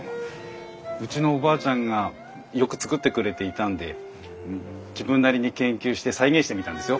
うちのおばあちゃんがよく作ってくれていたんで自分なりに研究して再現してみたんですよ。